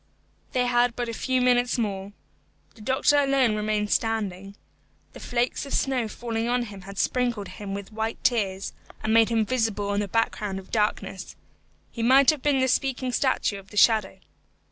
They had but a few minutes more. The doctor alone remained standing. The flakes of snow falling on him had sprinkled him with white tears, and made him visible on the background of darkness. He might have been the speaking statue of the shadow.